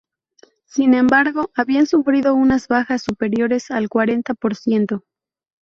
Sin embargo, habían sufrido unas bajas superiores al cuarenta por ciento.